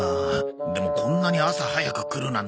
でもこんなに朝早く来るなんて。